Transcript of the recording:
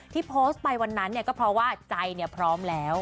ที่โพสต์ไปวันนั้นเนี่ยก็เพราะว่าใจพร้อมแล้ว